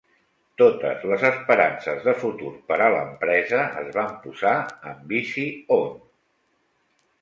Totes les esperances de futur per a l'empresa es van posar en Visi On.